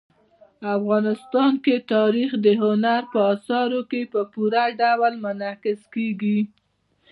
افغانستان کې تاریخ د هنر په اثارو کې په پوره ډول منعکس کېږي.